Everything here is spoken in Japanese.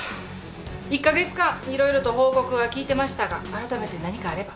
１カ月間色々と報告は聞いてましたがあらためて何かあれば。